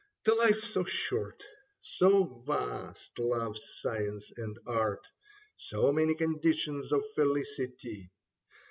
The Hfe so short, so vast love's science and art, So many conditions of felicity.